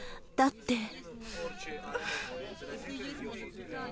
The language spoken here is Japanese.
だって。